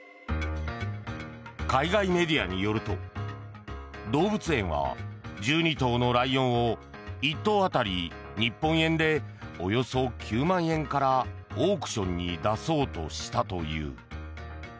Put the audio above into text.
海外メディアによると動物園は１２頭のライオンを１頭当たり日本円でおよそ９万円からオークションに出そうとしたという。